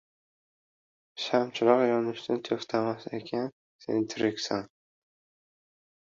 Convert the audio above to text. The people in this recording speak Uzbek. Shamchiroq yonishdan to‘xtamas ekan — sen tiriksan.